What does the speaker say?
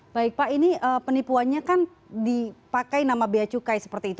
baik pak ini penipuannya kan dipakai nama beacukai seperti itu